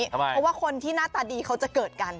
เพราะว่าคนที่หน้าตาดีเขาจะเกิดกัน